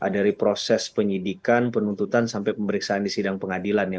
dari proses penyidikan penuntutan sampai pemeriksaan di sidang pengadilan ya